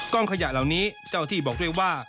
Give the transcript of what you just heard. ขยะเหล่านี้เจ้าที่บอกด้วยว่า